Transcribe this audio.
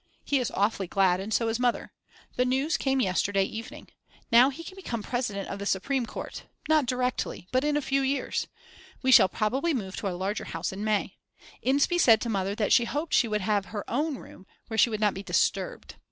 He is awfully glad and so is Mother. The news came yesterday evening. Now he can become President of the Supreme Court, not directly, but in a few years. We shall probably move to a larger house in May. Inspee said to Mother that she hoped she would have her own room where she would not be disturbed.